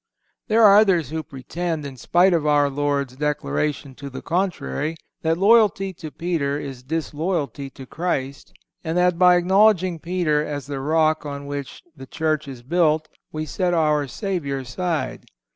There are others who pretend, in spite of our Lord's declaration to the contrary, that loyalty to Peter is disloyalty to Christ, and that, by acknowledging Peter as the rock on which the Church is built, we set our Savior aside.